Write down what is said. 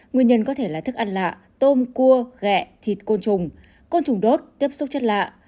nguyên nhân có thể là thức ăn lạ tôm cua gẹ thịt côn trùng côn trùng đốt tiếp xúc chất lạ